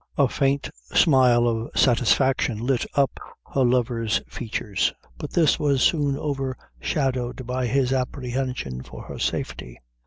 A faint smile of satisfaction lit up her lover's features, but this was soon overshadowed by his apprehension for her safety.